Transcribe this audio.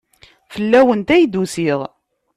Fell-awent ay d-usiɣ.